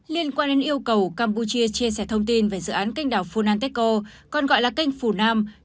liên quan đến yêu cầu campuchia chia sẻ thông tin về dự án kênh đảo phunanteco còn gọi là kênh phunam